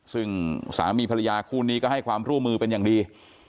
ซึ่งสามีภรรยาคู่นี้ก็ให้ความร่วมมือเป็นอย่างดี